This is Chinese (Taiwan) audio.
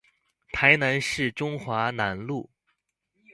臺南市中華南路